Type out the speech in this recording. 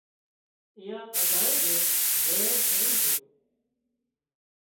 ايئان ٻڌانئين نين زهر سڙي جھون